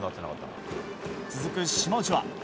続く島内は。